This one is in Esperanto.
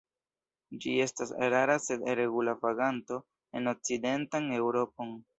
Ĝi estas rara sed regula vaganto en okcidentan Eŭropon.